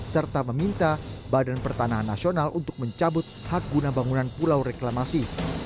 serta meminta badan pertanahan nasional untuk mencabut hak guna bangunan pulau reklamasi